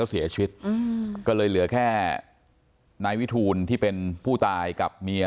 เสียชีวิตอืมก็เลยเหลือแค่นายวิทูลที่เป็นผู้ตายกับเมีย